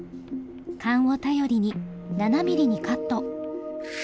勘を頼りに７ｍｍにカット。